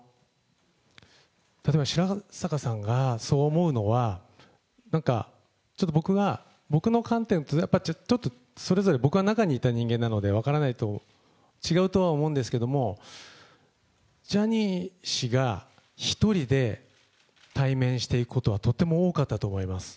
例えばしらさかさんがそう思うのは、なんか、ちょっと僕は、僕の観点とやっぱりちょっと、それぞれ僕は中にいた人間なので、分からないと、違うとは思うんですけど、ジャニー氏が、１人で対面していくことはとても多かったと思います。